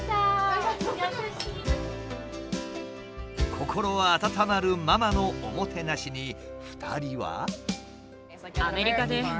心温まるママのおもてなしに２人は。